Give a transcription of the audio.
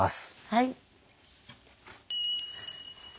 はい。